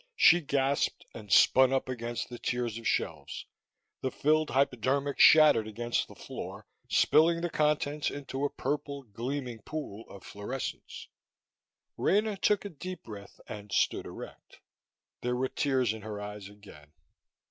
She gasped and spun up against the tiers of shelves. The filled hypodermic shattered against the floor, spilling the contents into a purple, gleaming pool of fluorescence. Rena took a deep breath and stood erect. There were tears in her eyes again.